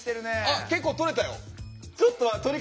あっ結構取れたよ。